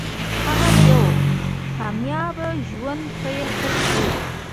هغه یو کامیاب ژوند پیل کړی دی